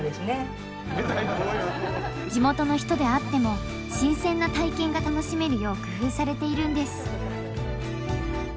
地元の人であっても新鮮な体験が楽しめるよう工夫されているんです。